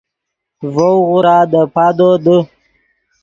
ڤؤ غورا دے پادو دے